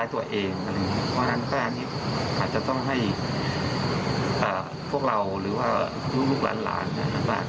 ต้องระวังนิดหนึ่งนะครับ